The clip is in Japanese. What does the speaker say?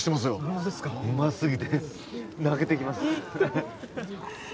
そうですかうますぎて泣けてきます